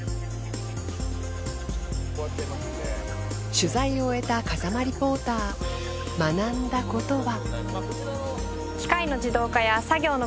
取材を終えた風間リポーター学んだことは。